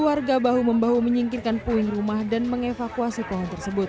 warga bahu membahu menyingkirkan puing rumah dan mengevakuasi pohon tersebut